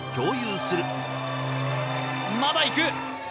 まだ行く。